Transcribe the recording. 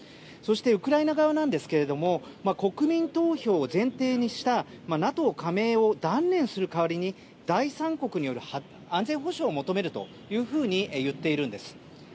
そして、ウクライナ側ですが国民投票を前提にしたＮＡＴＯ加盟を断念する代わりに第三国による安全保障を求めると言っているんです。